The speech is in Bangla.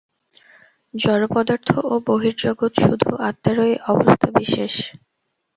জড়পদার্থ ও বহির্জগৎ শুধু আত্মারই অবস্থাবিশেষ।